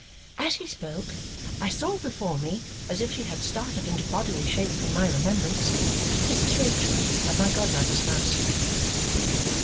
As he spoke, I saw before me, as if she had started into bodily shape from my remembrance, Mrs. Rachael of my godmother's house.